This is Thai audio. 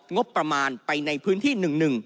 งบประมาณไปในพื้นที่๑๑